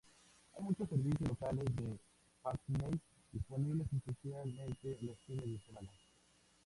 Hay muchos servicios locales de Hackney disponibles especialmente los fines de semana.